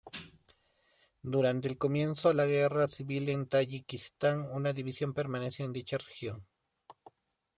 Durante el comienzo la Guerra Civil en Tayikistán una división permaneció en dicha región.